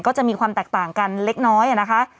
ก็จะมีความแตกต่างกันเล็กน้อยนะคะ